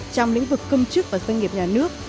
trong lĩnh vực công chức và doanh nghiệp nhà nước